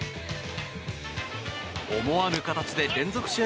思わぬ形で連続試合